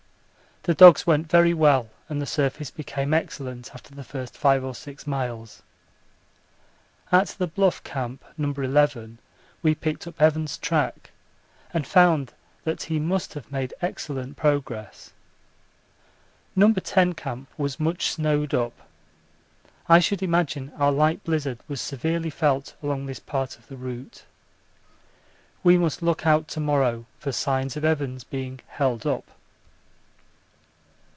The dogs went very well and the surface became excellent after the first 5 or 6 miles. At the Bluff Camp, No. 11, we picked up Evans' track and found that he must have made excellent progress. No. 10 Camp was much snowed up: I should imagine our light blizzard was severely felt along this part of the route. We must look out to morrow for signs of Evans being 'held up.'